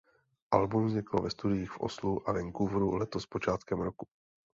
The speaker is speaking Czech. Album vzniklo ve studiích v Oslo a Vancouver letos počátkem roku.